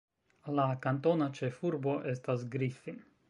La kantona ĉefurbo estas Griffin.